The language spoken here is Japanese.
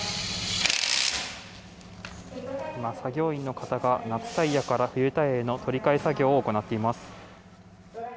今、作業員の方が夏タイヤから冬タイヤへの取り換え作業を行っています。